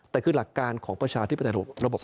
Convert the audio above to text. แต่คือหลักการของประชาที่เป็นระบบรัศภาค